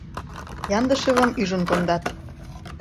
Яндышевым ӱжын кондат.